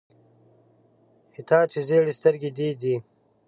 ستا چي ژېري سترګي دې دي .